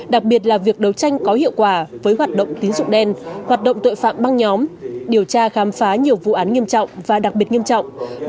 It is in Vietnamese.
đặc biệt là việc đấu tranh có hiệu quả với hoạt động tín dụng đen hoạt động tội phạm băng nhóm điều tra khám phá nhiều vụ án nghiêm trọng và đặc biệt nghiêm trọng